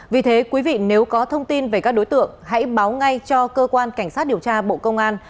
vì thế quý vị nếu có thông tin về các đối tượng hãy báo ngay cho cơ quan cảnh sát điều tra bộ công an